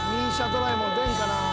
ドラえもん出んかなぁ。